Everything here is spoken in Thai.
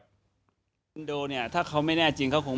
ส่วนอาการบาดเจ็บของธนบุญเกษารัฐที่มีอาการบาดเจ็บเล็กน้อย